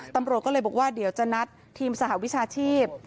ตำรวจก็เลยบอกว่าเดี๋ยวจะนัดทีมสหวิชาชีพ